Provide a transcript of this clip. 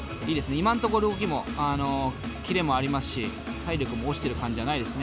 今のところ動きもキレもありますし体力も落ちてる感じじゃないですね。